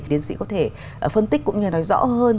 tiến sĩ có thể phân tích cũng như nói rõ hơn